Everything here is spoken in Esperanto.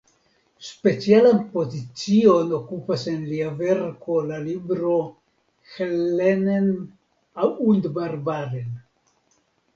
Specialan pozicion okupas en lia verko la libro "Hellenen und Barbaren.